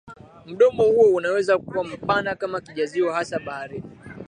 Mdomo huo unaweza kuwa mpana kama kijazio hasa baharini